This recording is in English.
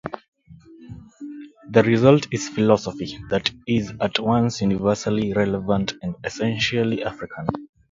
The result is philosophy that is at once universally relevant and essentially African.